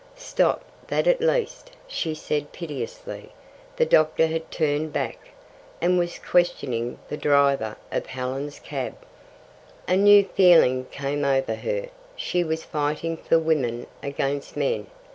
"Stop that at least," she said piteously; the doctor had turned back, and was questioning the driver of Helen's cab. A new feeling came over her; she was fighting for women against men.